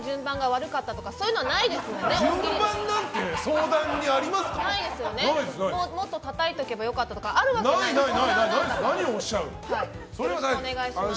もっとたたいておけば良かったとかあるわけないですよね。